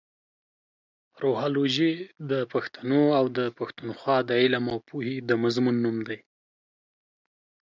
روهالوجي د پښتنو اٶ د پښتونخوا د علم اٶ پوهې د مضمون نوم دې.